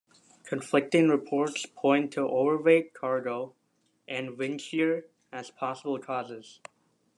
Conflicting reports point to overweight cargo and windshear as possible causes.